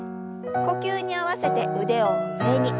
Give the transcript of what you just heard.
呼吸に合わせて腕を上に。